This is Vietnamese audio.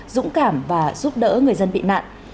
dũng cảm và giúp đỡ người dân bị nạn